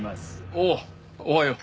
おうおはよう。